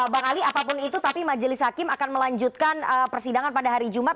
bang ali apapun itu tapi majelis hakim akan melanjutkan persidangan pada hari jumat